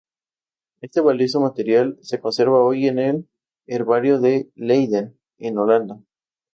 Este valioso material se conserva hoy en el Herbario de Leiden, en Holanda.